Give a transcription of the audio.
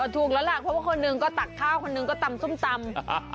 ถูกแล้วล่ะเพราะว่าคนหนึ่งก็ตักข้าวคนหนึ่งก็ตำส้มตำ